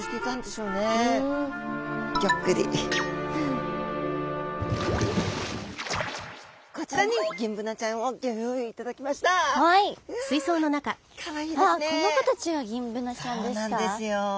そうなんですよ。